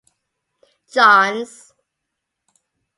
Johns.